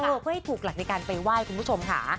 เพื่อให้ถูกหลักในการไปไหว้คุณผู้ชมค่ะ